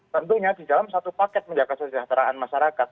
tentunya di dalam satu paket menjaga kesejahteraan masyarakat